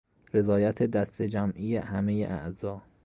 رضایت دسته جمعی همهی اعضا